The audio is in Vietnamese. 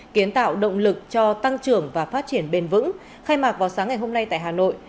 kiến tạo động lực cho tăng trưởng và phát triển bền vững khai mạc vào sáng ngày hôm nay tại hà nội